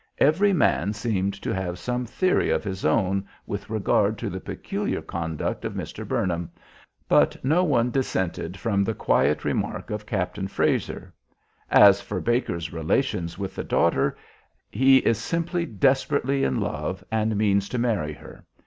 Every man seemed to have some theory of his own with regard to the peculiar conduct of Mr. Burnham, but no one dissented from the quiet remark of Captain Frazer: "As for Baker's relations with the daughter, he is simply desperately in love and means to marry her.